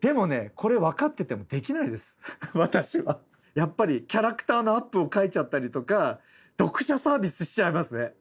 やっぱりキャラクターのアップを描いちゃったりとか読者サービスしちゃいますね。